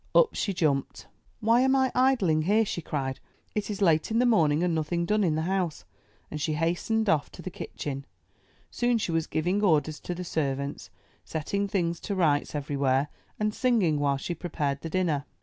Up she jumped. 'Why am I idling here?*' she cried. 'It is late in the morning and nothing done in the house!'* And she hastened off to the kitchen. Soon she was giving orders to the servants, setting things to rights everywhere and singing while she prepared the dinner.